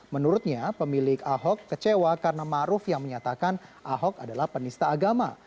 menurutnya pemilik ahok kecewa karena maruf yang menyatakan ahok adalah penista agama